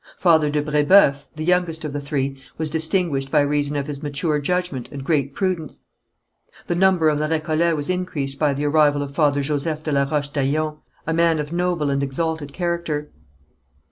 Father de Brébeuf, the youngest of the three, was distinguished by reason of his mature judgment and great prudence. The number of the Récollets was increased by the arrival of Father Joseph de la Roche d'Aillon, a man of noble and exalted character.